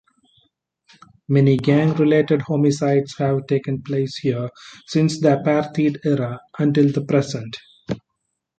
Many gang-related homicides have taken place here since the Apartheid-era until the present.